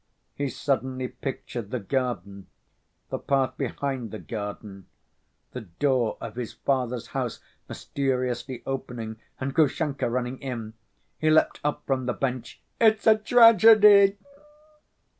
He suddenly pictured the garden, the path behind the garden, the door of his father's house mysteriously opening and Grushenka running in. He leapt up from the bench. "It's a tragedy!"